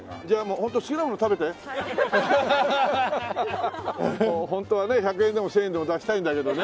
ホントはね１００円でも１０００円でも出したいんだけどね